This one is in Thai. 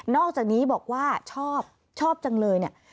อกจากนี้บอกว่าชอบชอบจังเลยเนี่ย